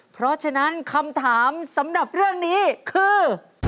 เพราะฉะนั้นคำถามสำหรับเรื่องนี้คือ